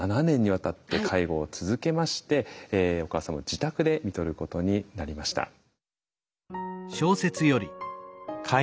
７年にわたって介護を続けましてお母様を自宅でみとることになりました。